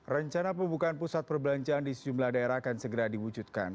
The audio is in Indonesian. rencana pembukaan pusat perbelanjaan di sejumlah daerah akan segera diwujudkan